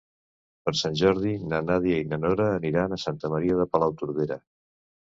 Per Sant Jordi na Nàdia i na Nora aniran a Santa Maria de Palautordera.